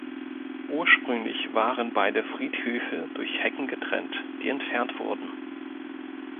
Ursprünglich waren beide Friedhöfe durch Hecken getrennt, die entfernt wurden.